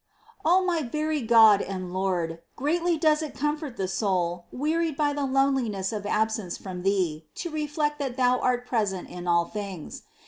O my very God and Lord ! Greatly does it comfort the soul wearied by the loneliness of absence from Thee, to reflect that Thou art present in all things